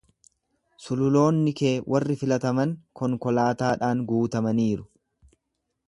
Sululoonni kee warri filataman konkolaataadhaan guutaniiru.